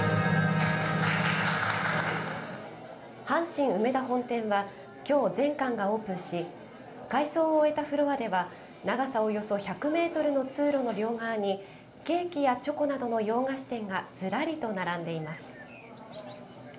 阪神梅田本店はきょう、全館がオープンし改装を終えたフロアでは長さおよそ１００メートルの通路の両側にケーキやチョコなどの洋菓子店がずらりと並んでいます。